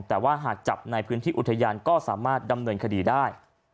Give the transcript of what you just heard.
แต่ว่าหากจับในพื้นที่อุทยานก็สามารถดำเนินคดีได้